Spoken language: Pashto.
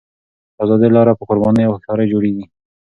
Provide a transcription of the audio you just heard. د ازادۍ لاره په قربانۍ او هوښیارۍ جوړېږي.